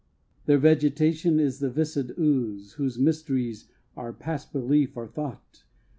Their vegetation is the viscid ooze, Whose mysteries are past belief or thought.